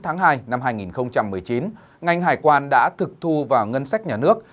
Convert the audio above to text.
ngành hải quan đã thực thu vào ngân sách nhà nước